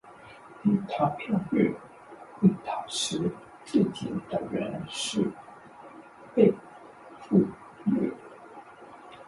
低投票率会导致特定的人士被忽略。